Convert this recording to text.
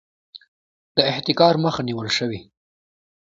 د احتکار مخه نیول شوې؟